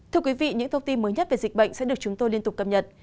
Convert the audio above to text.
thưa quý vị những thông tin mới nhất về dịch bệnh sẽ được chúng tôi liên tục cập nhật